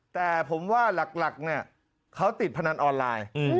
แต่ผมว่าหลักเนี่ยเขาติดพนันออนไลน์